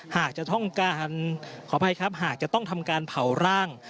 หากจะต้องการขออภัยครับหากจะต้องทำการเผาร่าง